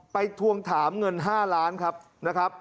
ไปทวงถามเงิน๕ล้านนะครับ